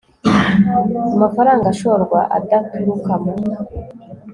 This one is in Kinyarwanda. amafaranga ashorwa adaturuka mu